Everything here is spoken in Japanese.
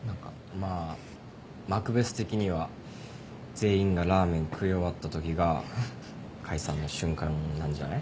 まぁマクベス的には全員がラーメン食い終わった時が解散の瞬間なんじゃない？